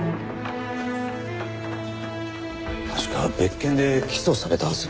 確か別件で起訴されたはず。